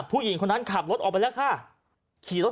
ผู้หญิงของเขาเคลาสเขากำลังขับกระจอกลับไปที่รีสอร์ต